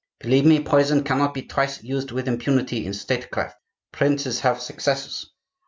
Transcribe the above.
Believe me, poison cannot be twice used with impunity in statecraft. Princes have successors.